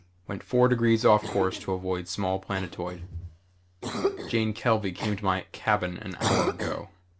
Went four degrees off course to avoid small planetoid. Jane Kelvey came to my cabin an hour ago.